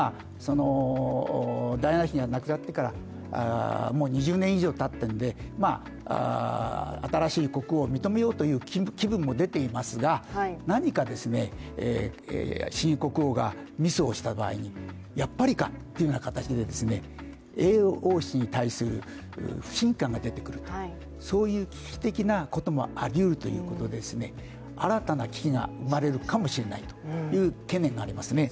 ダイアナ妃が亡くなってからもう２０年以上たっているので、新しい国王を認めようという気分も出ていますが何か新国王がミスをした場合にやっぱりかという形で英王室に対する不信感が出てくるそういう危機的なこともありうるということで、新たな危機が生まれるかもしれないという懸念がありますね。